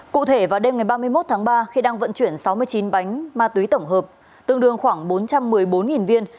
cụ thể vào đêm ngày ba mươi một tháng ba khi đang vận chuyển sáu mươi chín bánh ma túy tổng hợp tương đương khoảng bốn trăm một mươi bốn viên